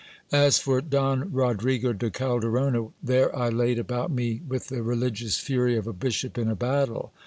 As for Don Rodrigo de Calderona, there I laid about me with the religious fury of a bishop in a battle.